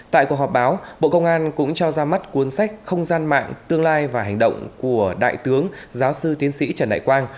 tại cuộc họp báo bộ công an cũng cho ra mắt cuốn sách không gian mạng tương lai và hành động của đại tướng giáo sư tiến sĩ trần đại quang